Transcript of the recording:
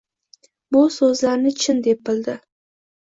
Bu so’zlarni chin, deb bildi